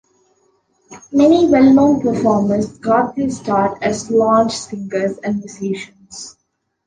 Many well known performers got their start as lounge singers and musicians.